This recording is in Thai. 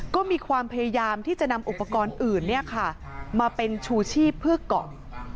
ก็มีความพยายามที่จะนำอุปกรณ์อื่นมาเป็นชูชีพเพื่อก่อม